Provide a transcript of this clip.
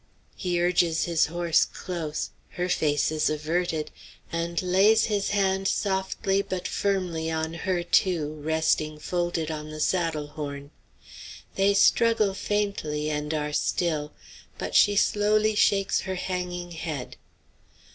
He urges his horse close her face is averted and lays his hand softly but firmly on her two, resting folded on the saddle horn. They struggle faintly and are still; but she slowly shakes her hanging head.